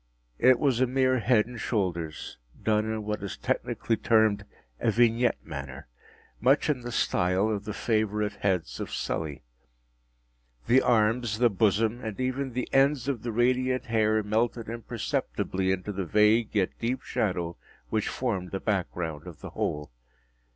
It was a mere head and shoulders, done in what is technically termed a vignette manner; much in the style of the favorite heads of Sully. The arms, the bosom, and even the ends of the radiant hair melted imperceptibly into the vague yet deep shadow which formed the back ground of the whole.